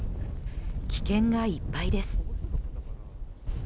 危険がいっぱいです。